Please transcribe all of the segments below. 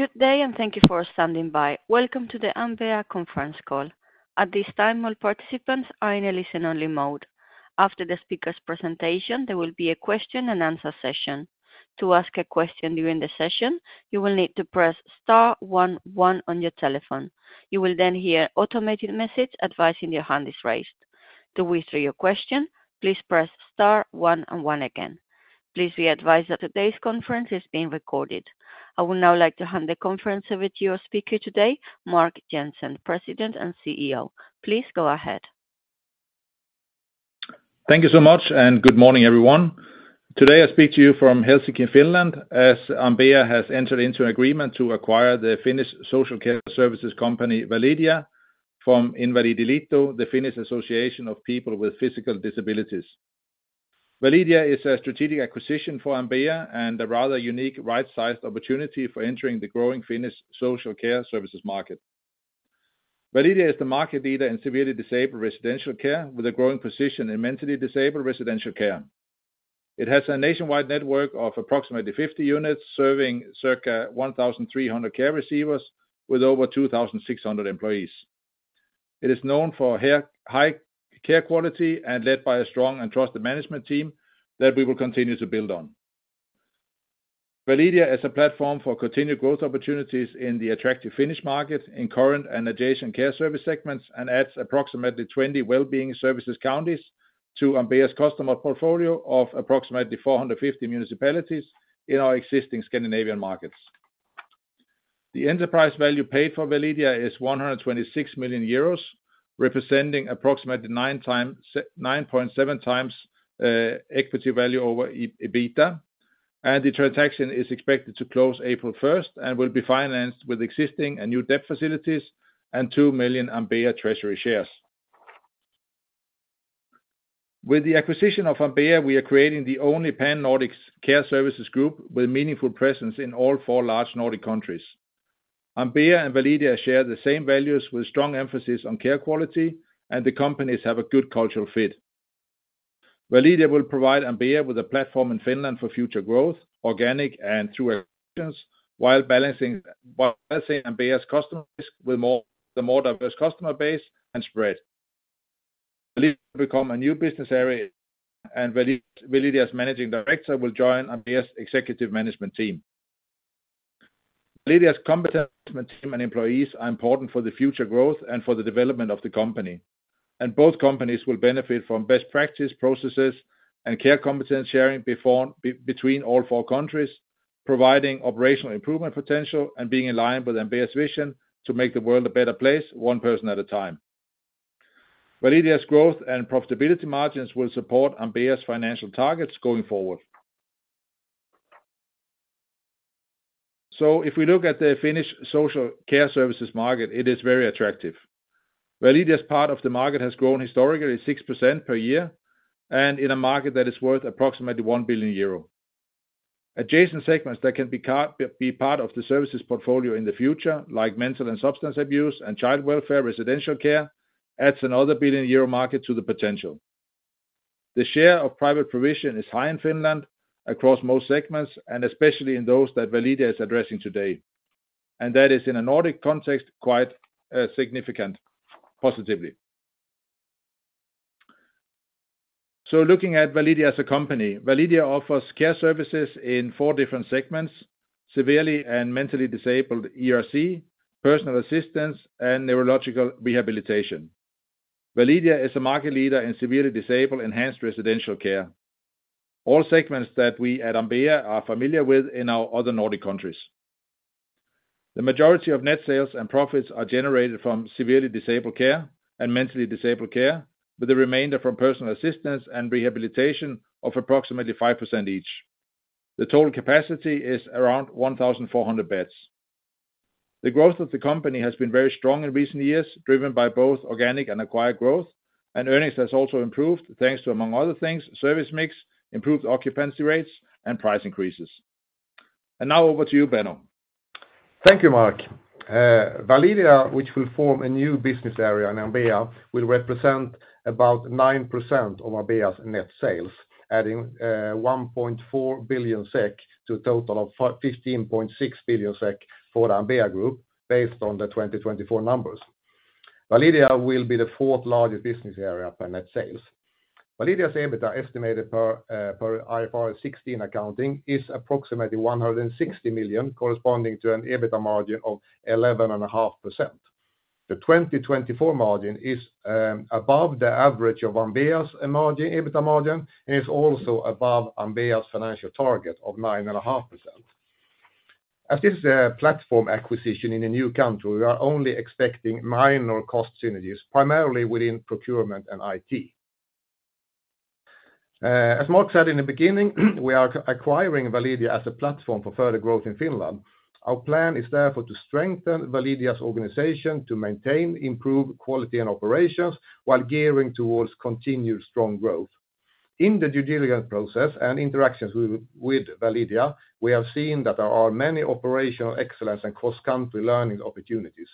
Good day, and thank you for standing by. Welcome to the Ambea conference call. At this time, all participants are in a listen-only mode. After the speaker's presentation, there will be a question-and-answer session. To ask a question during the session, you will need to press star 11 on your telephone. You will then hear an automated message advising your hand is raised. To withdraw your question, please press star 11 again. Please be advised that today's conference is being recorded. I would now like to hand the conference over to your speaker today, Mark Jensen, President and CEO. Please go ahead. Thank you so much, and good morning, everyone. Today, I speak to you from Helsinki, Finland, as Ambea has entered into an agreement to acquire the Finnish social care services company, Validia, from Invalidiliitto, the Finnish Association of People with Physical Disabilities. Validia is a strategic acquisition for Ambea and a rather unique right-sized opportunity for entering the growing Finnish social care services market. Validia is the market leader in severely disabled residential care, with a growing position in mentally disabled residential care. It has a nationwide network of approximately 50 units, serving circa 1,300 care receivers with over 2,600 employees. It is known for high care quality and led by a strong and trusted management team that we will continue to build on. Validia is a platform for continued growth opportunities in the attractive Finnish market in current and adjacent care service segments and adds approximately 20 well-being services counties to Ambea's customer portfolio of approximately 450 municipalities in our existing Scandinavian markets. The enterprise value paid for Validia is 126 million euros, representing approximately 9.7 times equity value over EBITDA, and the transaction is expected to close April 1 and will be financed with existing and new debt facilities and 2 million Ambea treasury shares. With the acquisition of Validia, we are creating the only Pan-Nordic care services group with a meaningful presence in all four large Nordic countries. Ambea and Validia share the same values with strong emphasis on care quality, and the companies have a good cultural fit. Validia will provide Ambea with a platform in Finland for future growth, organic, and through actions, while balancing Ambea's customers with the more diverse customer base and spread. Validia will become a new business area, and Validia's Managing Director will join Ambea's executive management team. Validia's competence and employees are important for the future growth and for the development of the company, and both companies will benefit from best practice processes and care competence sharing between all four countries, providing operational improvement potential and being aligned with Ambea's vision to make the world a better place, one person at a time. Validia's growth and profitability margins will support Ambea's financial targets going forward. If we look at the Finnish social care services market, it is very attractive. Validia's part of the market has grown historically 6% per year and in a market that is worth approximately 1 billion euro. Adjacent segments that can be part of the services portfolio in the future, like mental and substance abuse and child welfare residential care, add another 1 billion euro market to the potential. The share of private provision is high in Finland across most segments, and especially in those that Validia is addressing today, and that is, in a Nordic context, quite significant positively. Looking at Validia as a company, Validia offers care services in four different segments: severely and mentally disabled ERC, personal assistance, and neurological rehabilitation. Validia is a market leader in severely disabled enhanced residential care, all segments that we at Ambea are familiar with in our other Nordic countries. The majority of net sales and profits are generated from severely disabled care and mentally disabled care, with the remainder from personal assistance and rehabilitation of approximately 5% each. The total capacity is around 1,400 beds. The growth of the company has been very strong in recent years, driven by both organic and acquired growth, and earnings have also improved thanks to, among other things, service mix, improved occupancy rates, and price increases. Now, over to you, Benno. Thank you, Mark. Validia, which will form a new business area in Ambea, will represent about 9% of Ambea's net sales, adding 1.4 billion SEK to a total of 15.6 billion SEK for the Ambea Group, based on the 2024 numbers. Validia will be the fourth largest business area per net sales. Validia's EBITDA, estimated per IFRS 16 accounting, is approximately 160 million, corresponding to an EBITDA margin of 11.5%. The 2024 margin is above the average of Ambea's EBITDA margin and is also above Ambea's financial target of 9.5%. As this is a platform acquisition in a new country, we are only expecting minor cost synergies, primarily within procurement and IT. As Mark said in the beginning, we are acquiring Validia as a platform for further growth in Finland. Our plan is therefore to strengthen Validia's organization to maintain, improve quality and operations, while gearing towards continued strong growth. In the due diligence process and interactions with Validia, we have seen that there are many operational excellence and cross-country learning opportunities.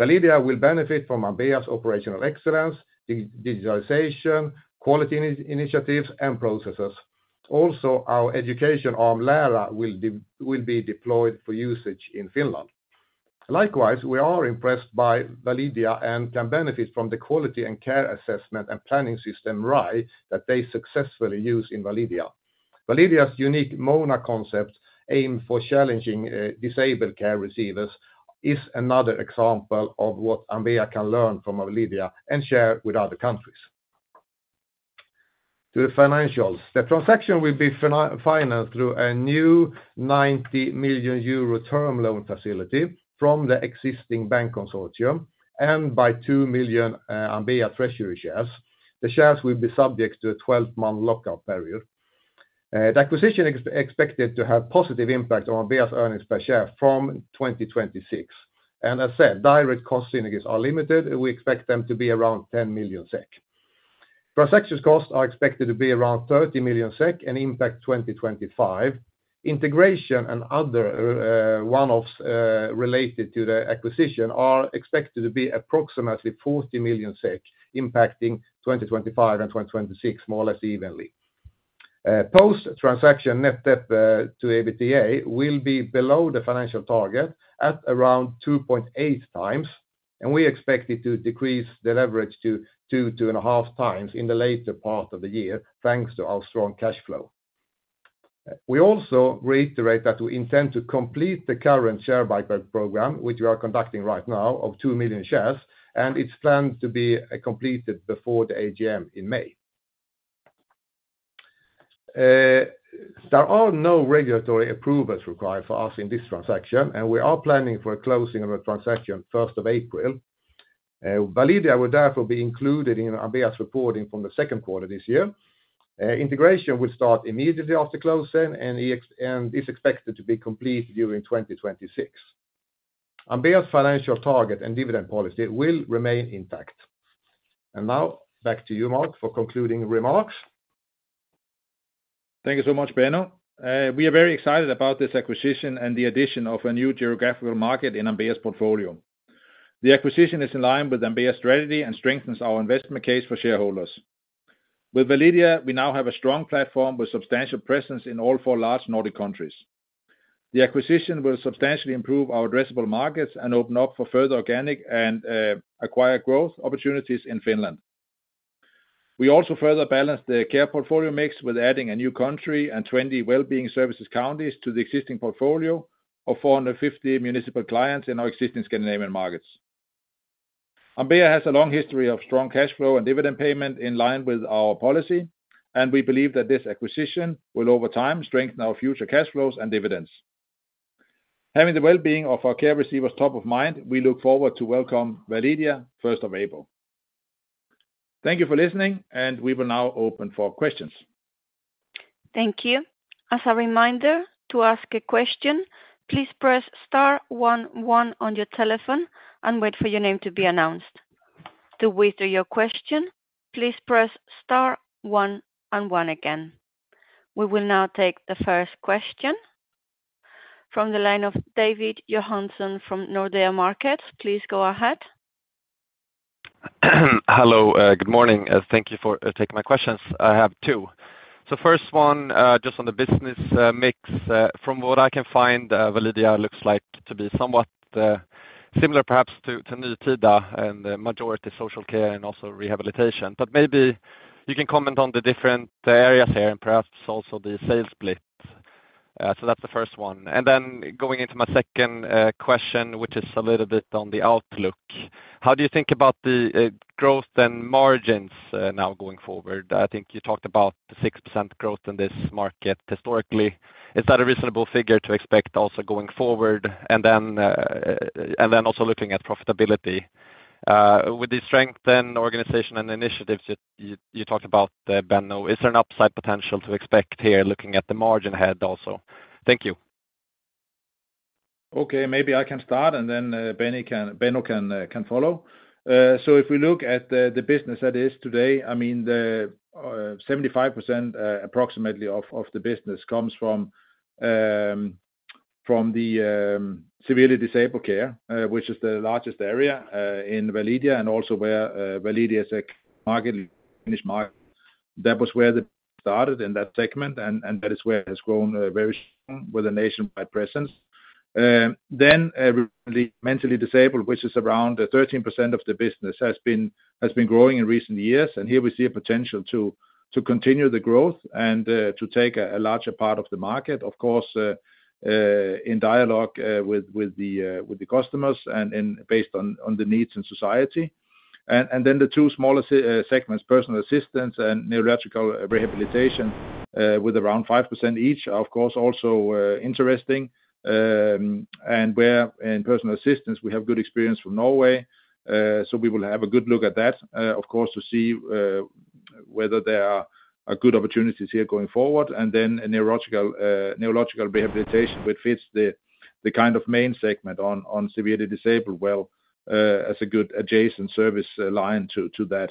Validia will benefit from Ambea's operational excellence, digitalization, quality initiatives, and processes. Also, our education arm, Lära, will be deployed for usage in Finland. Likewise, we are impressed by Validia and can benefit from the quality and care assessment and planning system right, that they successfully use in Validia. Validia's unique MONA concept, aimed for challenging disabled care receivers, is another example of what Ambea can learn from Validia and share with other countries. To the financials, the transaction will be financed through a new 90 million euro term loan facility from the existing bank consortium and by 2 million Ambea treasury shares. The shares will be subject to a 12-month lockout period. The acquisition is expected to have a positive impact on Ambea's earnings per share from 2026. As I said, direct cost synergies are limited. We expect them to be around 10 million SEK. Transaction costs are expected to be around 30 million SEK and impact 2025. Integration and other one-offs related to the acquisition are expected to be approximately 40 million SEK, impacting 2025 and 2026 more or less evenly. Post-transaction net debt to EBITDA will be below the financial target at around 2.8 times, and we expect it to decrease the leverage to 2-2.5 times in the later part of the year, thanks to our strong cash flow. We also reiterate that we intend to complete the current share buyback program, which we are conducting right now, of 2 million shares, and it is planned to be completed before the AGM in May. There are no regulatory approvals required for us in this transaction, and we are planning for closing of the transaction on the 1st of April. Validia will therefore be included in Ambea's reporting from the second quarter this year. Integration will start immediately after closing and is expected to be completed during 2026. Ambea's financial target and dividend policy will remain intact. Now, back to you, Mark, for concluding remarks. Thank you so much, Benno. We are very excited about this acquisition and the addition of a new geographical market in Ambea's portfolio. The acquisition is in line with Ambea's strategy and strengthens our investment case for shareholders. With Validia, we now have a strong platform with a substantial presence in all four large Nordic countries. The acquisition will substantially improve our addressable markets and open up for further organic and acquired growth opportunities in Finland. We also further balance the care portfolio mix with adding a new country and 20 well-being services counties to the existing portfolio of 450 municipal clients in our existing Scandinavian markets. Ambea has a long history of strong cash flow and dividend payment in line with our policy, and we believe that this acquisition will, over time, strengthen our future cash flows and dividends. Having the well-being of our care receivers top of mind, we look forward to welcoming Validia on the 1st of April. Thank you for listening, and we will now open for questions. Thank you. As a reminder, to ask a question, please press star 11 on your telephone and wait for your name to be announced. To withdraw your question, please press star 11 again. We will now take the first question from the line of David Johansson from Nordea Markets. Please go ahead. Hello, good morning. Thank you for taking my questions. I have two. First one, just on the business mix, from what I can find, Validia looks like to be somewhat similar, perhaps, to Nytida and majority social care and also rehabilitation. Maybe you can comment on the different areas here and perhaps also the sales split. That is the first one. Going into my second question, which is a little bit on the outlook, how do you think about the growth and margins now going forward? I think you talked about the 6% growth in this market historically. Is that a reasonable figure to expect also going forward? Also looking at profitability, with the strengthened organization and initiatives you talked about, Benno, is there an upside potential to expect here, looking at the margin head also? Thank you. Okay, maybe I can start, and then Benno can follow. If we look at the business that is today, I mean, 75% approximately of the business comes from the severely disabled care, which is the largest area in Validia and also where Validia is a market, Finnish market. That was where they started in that segment, and that is where it has grown very strong with a nationwide presence. Mentally disabled, which is around 13% of the business, has been growing in recent years, and here we see a potential to continue the growth and to take a larger part of the market, of course, in dialogue with the customers and based on the needs in society. The two smaller segments, personal assistance and neurological rehabilitation, with around 5% each, of course, also interesting. Where in personal assistance, we have good experience from Norway, so we will have a good look at that, of course, to see whether there are good opportunities here going forward. Neurological rehabilitation, which fits the kind of main segment on severely disabled, as a good adjacent service line to that.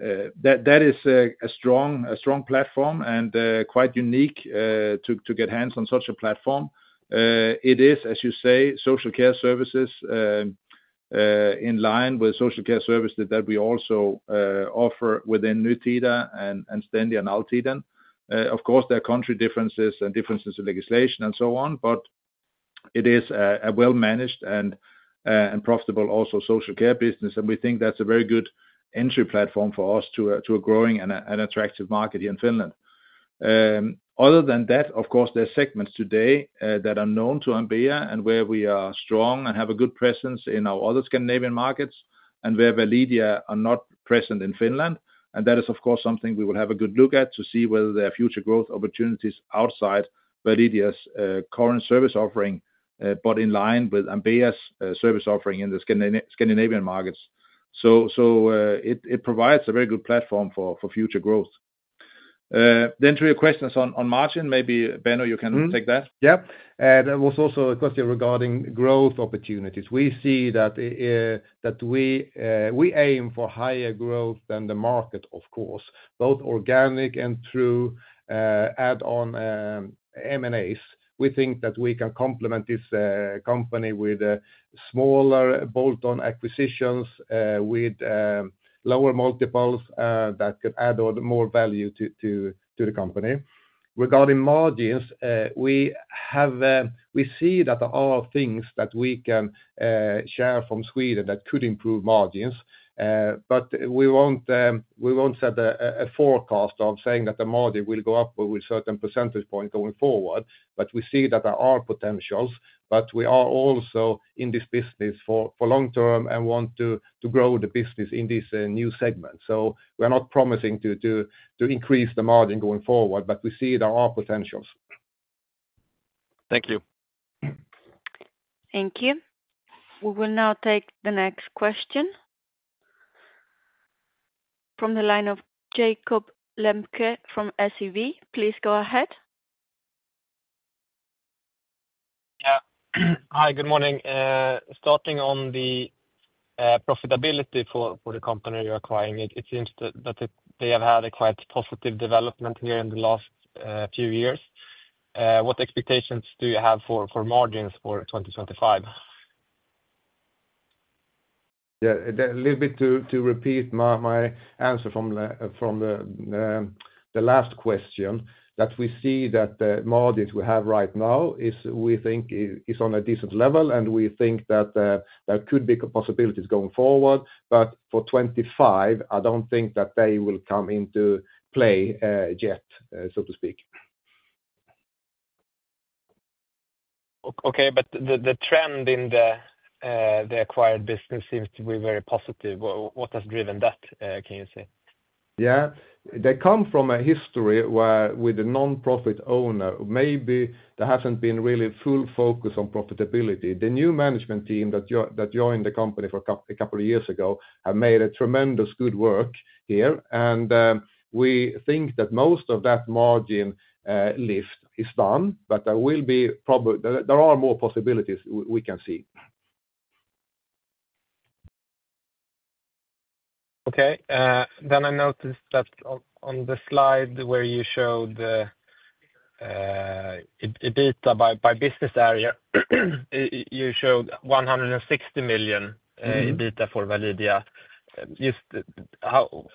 That is a strong platform and quite unique to get hands on such a platform. It is, as you say, social care services in line with social care services that we also offer within Nytida, Stendi, and Altiden. Of course, there are country differences and differences in legislation and so on, but it is a well-managed and profitable also social care business, and we think that is a very good entry platform for us to a growing and attractive market here in Finland. Other than that, of course, there are segments today that are known to Ambea and where we are strong and have a good presence in our other Scandinavian markets and where Validia are not present in Finland. That is, of course, something we will have a good look at to see whether there are future growth opportunities outside Validia's current service offering, but in line with Ambea's service offering in the Scandinavian markets. It provides a very good platform for future growth. To your questions on margin, maybe, Benno, you can take that. Yeah. It was also a question regarding growth opportunities. We see that we aim for higher growth than the market, of course, both organic and through add-on M&As. We think that we can complement this company with smaller bolt-on acquisitions with lower multiples that could add more value to the company. Regarding margins, we see that there are things that we can share from Sweden that could improve margins, but we will not set a forecast of saying that the margin will go up with a certain percentage point going forward. We see that there are potentials, and we are also in this business for long term and want to grow the business in this new segment. We are not promising to increase the margin going forward, but we see there are potentials. Thank you. Thank you. We will now take the next question from the line of Jakob Lembke from SEB. Please go ahead. Yeah. Hi, good morning. Starting on the profitability for the company you're acquiring, it seems that they have had a quite positive development here in the last few years. What expectations do you have for margins for 2025? Yeah, a little bit to repeat my answer from the last question, that we see that the margins we have right now, we think, is on a decent level, and we think that there could be possibilities going forward. For 2025, I do not think that they will come into play yet, so to speak. Okay, the trend in the acquired business seems to be very positive. What has driven that, can you say? Yeah, they come from a history where with the nonprofit owner, maybe there hasn't been really full focus on profitability. The new management team that joined the company a couple of years ago have made tremendous good work here, and we think that most of that margin lift is done, but there will be probably there are more possibilities we can see. Okay. I noticed that on the slide where you showed EBITDA by business area, you showed 160 million EBITDA for Validia. Just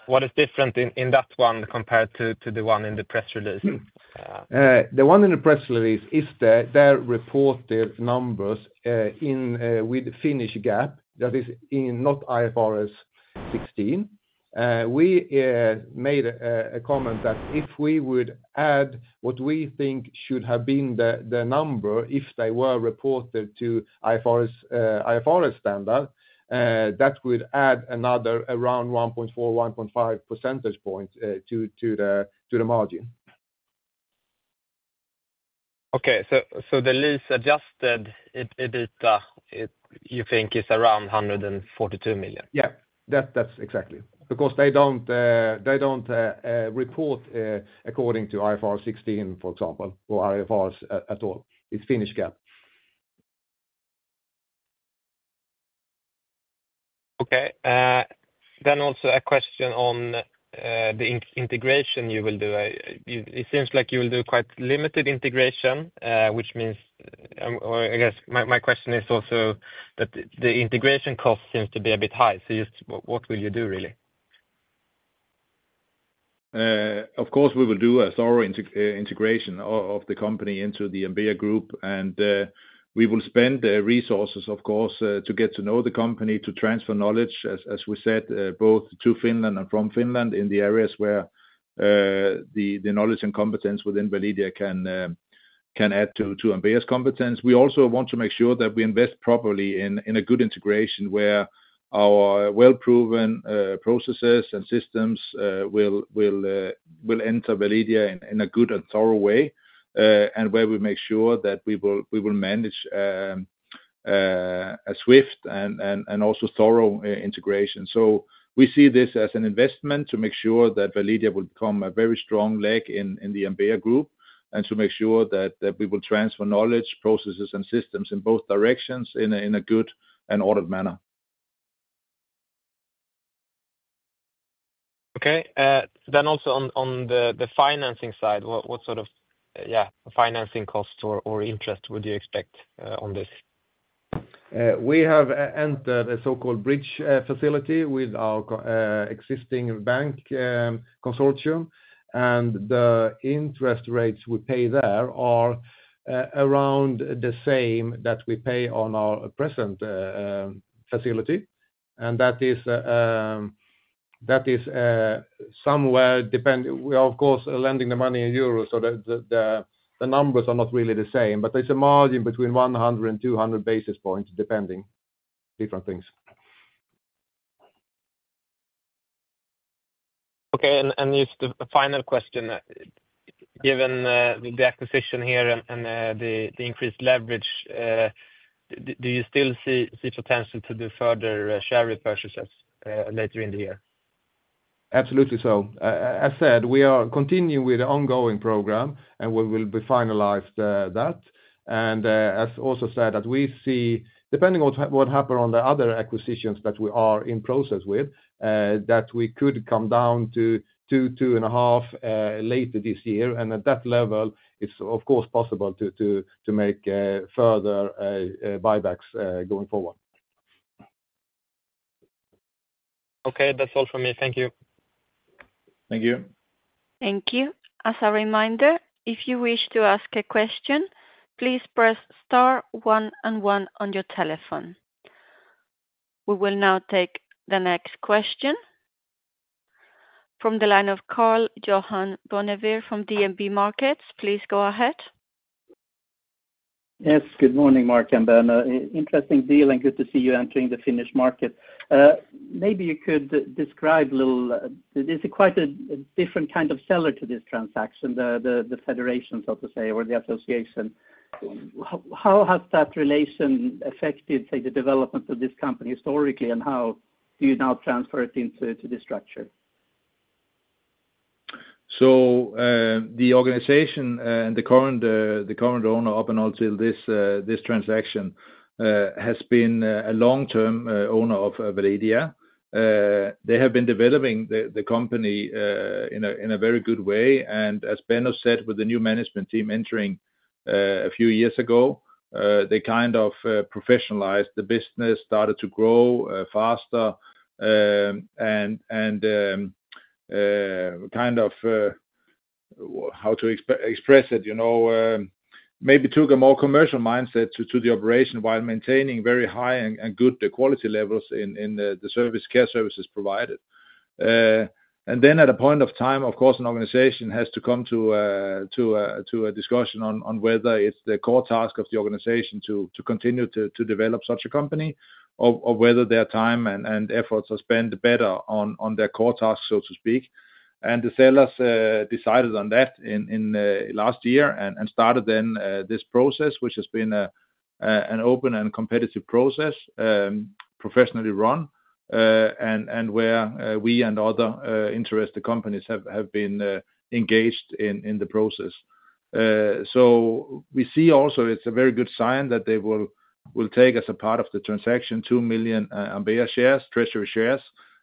what is different in that one compared to the one in the press release? The one in the press release is their reported numbers with the Finnish GAAP that is not IFRS 16. We made a comment that if we would add what we think should have been the number, if they were reported to IFRS standard, that would add another around 1.4-1.5 percentage points to the margin. Okay, so the least adjusted EBITDA, you think, is around 142 million? Yeah, that's exactly. Because they don't report according to IFRS 16, for example, or IFRS at all. It's Finnish GAAP. Okay. Also a question on the integration you will do. It seems like you will do quite limited integration, which means, or I guess my question is also that the integration cost seems to be a bit high. Just what will you do, really? Of course, we will do a thorough integration of the company into the Ambea Group, and we will spend resources, of course, to get to know the company, to transfer knowledge, as we said, both to Finland and from Finland in the areas where the knowledge and competence within Validia can add to Ambea's competence. We also want to make sure that we invest properly in a good integration where our well-proven processes and systems will enter Validia in a good and thorough way, and where we make sure that we will manage a swift and also thorough integration. We see this as an investment to make sure that Validia will become a very strong leg in the Ambea Group and to make sure that we will transfer knowledge, processes, and systems in both directions in a good and ordered manner. Okay. Also on the financing side, what sort of, yeah, financing costs or interest would you expect on this? We have entered a so-called bridge facility with our existing bank consortium, and the interest rates we pay there are around the same that we pay on our present facility. That is somewhere depending, of course, lending the money in euros, so the numbers are not really the same, but there is a margin between 100-200 basis points depending on different things. Okay. Just the final question, given the acquisition here and the increased leverage, do you still see potential to do further share repurchases later in the year? Absolutely so. As said, we are continuing with the ongoing program, and we will finalize that. As also said, we see, depending on what happened on the other acquisitions that we are in process with, that we could come down to two, two-and-a-half later this year. At that level, it is, of course, possible to make further buybacks going forward. Okay, that's all from me. Thank you. Thank you. Thank you. As a reminder, if you wish to ask a question, please press star 11 on your telephone. We will now take the next question from the line of Karl-Johan Bonnevier from DNB Markets. Please go ahead. Yes, good morning, Mark and Benno. Interesting deal and good to see you entering the Finnish market. Maybe you could describe a little, this is quite a different kind of seller to this transaction, the federation, so to say, or the association. How has that relation affected, say, the development of this company historically, and how do you now transfer it into this structure? The organization and the current owner up until this transaction has been a long-term owner of Validia. They have been developing the company in a very good way. As Benno said, with the new management team entering a few years ago, they kind of professionalized the business, started to grow faster and kind of, how to express it, maybe took a more commercial mindset to the operation while maintaining very high and good quality levels in the care services provided. At a point of time, of course, an organization has to come to a discussion on whether it is the core task of the organization to continue to develop such a company or whether their time and efforts are spent better on their core tasks, so to speak. The sellers decided on that last year and started then this process, which has been an open and competitive process, professionally run, where we and other interested companies have been engaged in the process. We see also it's a very good sign that they will take as a part of the transaction 2 million Ambea shares, treasury shares,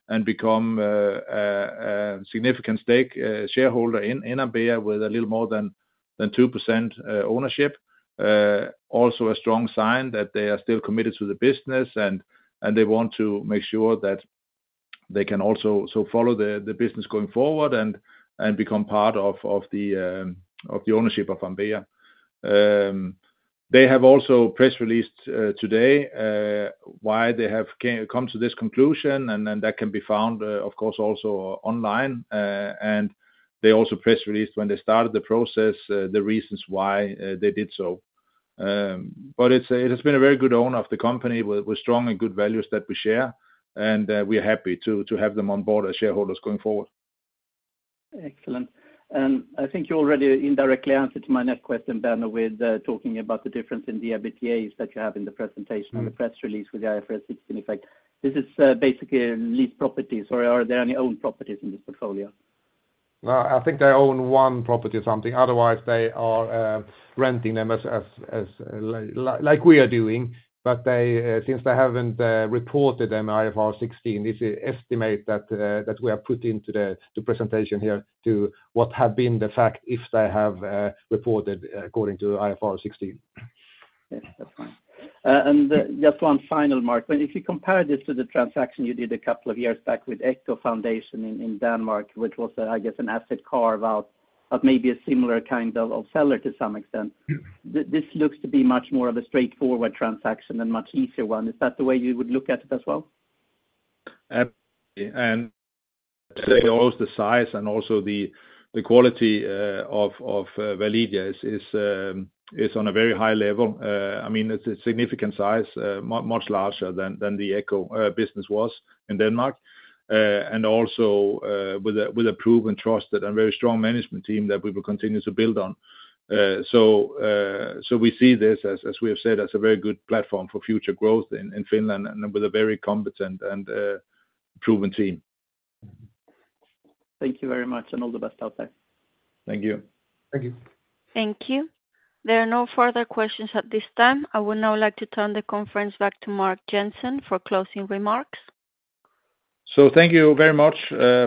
and become a significant stake shareholder in Ambea with a little more than 2% ownership. Also a strong sign that they are still committed to the business and they want to make sure that they can also follow the business going forward and become part of the ownership of Ambea. They have also press released today why they have come to this conclusion, and that can be found, of course, also online. They also press released when they started the process the reasons why they did so. It has been a very good owner of the company with strong and good values that we share, and we're happy to have them on board as shareholders going forward. Excellent. I think you already indirectly answered my next question, Benno, with talking about the difference in the EBITDAs that you have in the presentation and the press release with the IFRS 16 effect. This is basically leased properties. Are there any owned properties in this portfolio? No, I think they own one property or something. Otherwise, they are renting them like we are doing, but since they haven't reported them IFRS 16, this is an estimate that we have put into the presentation here to what would have been the fact if they had reported according to IFRS 16. Yes, that's fine. Just one final, Mark. If you compare this to the transaction you did a couple of years back with Echo Foundation in Denmark, which was, I guess, an asset carve-out, but maybe a similar kind of seller to some extent, this looks to be much more of a straightforward transaction and much easier one. Is that the way you would look at it as well? Absolutely. I'd say also the size and also the quality of Validia is on a very high level. I mean, it's a significant size, much larger than the Echo business was in Denmark, and also with a proven trust and very strong management team that we will continue to build on. We see this, as we have said, as a very good platform for future growth in Finland and with a very competent and proven team. Thank you very much and all the best out there. Thank you. Thank you. Thank you. There are no further questions at this time. I would now like to turn the conference back to Mark Jensen for closing remarks. Thank you very much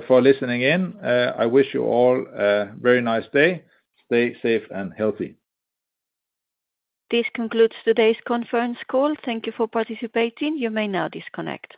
for listening in. I wish you all a very nice day. Stay safe and healthy. This concludes today's conference call. Thank you for participating. You may now disconnect.